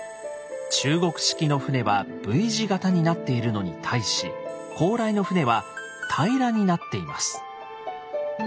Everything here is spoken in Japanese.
中国式の船はＶ字形になっているのに対し高麗の船は平らになっています。